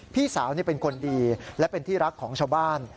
พี่สาวเป็นคนดีและเป็นที่รักของชาวบ้าน